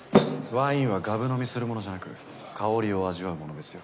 ワインはがぶ飲みするものじゃなく香りを味わうものですよ。